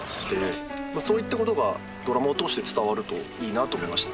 そういったことがドラマを通して伝わるといいなと思いました。